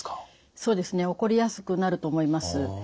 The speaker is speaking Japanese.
そうですね起こりやすくなると思います。